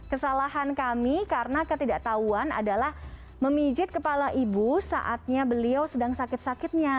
kesalahan kami karena ketidaktahuan adalah memijit kepala ibu saatnya beliau sedang sakit sakitnya